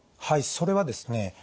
はいそれはですね